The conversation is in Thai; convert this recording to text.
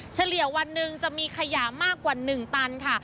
เฉลี่ยวันหนึ่งจะมีขยะมากกว่า๑ตันค่ะ